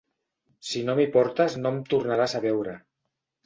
Si no m'hi portes no em tornaràs a veure.